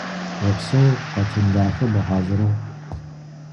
Опсэу, къэтын дахэ бгъэхьазырыгъ.